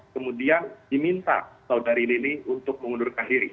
kemudian diminta saudari lili untuk mengundurkan diri